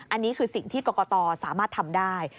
อันนี้คือสิ่งที่กรกตสามารถทำได้